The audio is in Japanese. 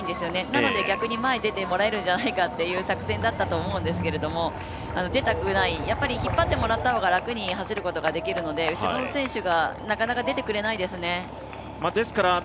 なので逆に前に出てもらえるんじゃないかという作戦だったんじゃないかと思うんですけども出たくない、引っ張ってもらった方が、楽に走ることができるので後ろの選手がなかなか出てきてくれないですね。